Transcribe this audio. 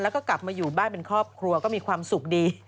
แล้วก็กลับมาอยู่บ้านเป็นครอบครัวก็มีความสุขดี